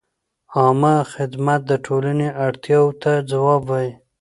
عامه خدمت د ټولنې اړتیاوو ته ځواب وايي.